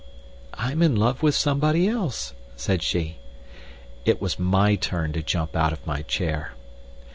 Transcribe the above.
"I'm in love with somebody else," said she. It was my turn to jump out of my chair.